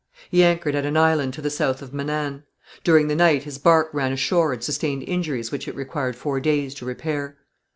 He anchored at an island to the south of Manan. During the night his barque ran ashore and sustained injuries which it required four days to repair.